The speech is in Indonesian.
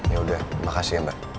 yaudah makasih ya mbak